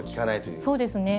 そうですね。